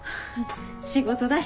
仕事だし。